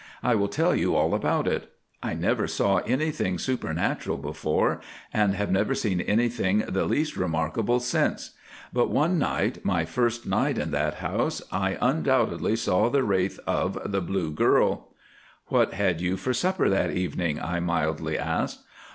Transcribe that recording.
I will tell you all about it. I never saw anything supernatural before, and have never seen anything the least remarkable since; but one night, my first night in that house, I undoubtedly saw the wraith of the 'Blue Girl.'" "What had you for supper that evening?" I mildly asked.